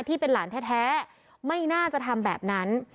ที่เป็นหลานแท้ไม่น่าจะทำแบบนั้น